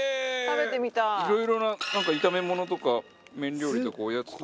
いろいろな炒め物とか麺料理とかおやつとか。